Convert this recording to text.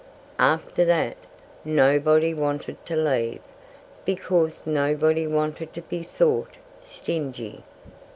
After that, nobody wanted to leave, because nobody wanted to be thought stingy.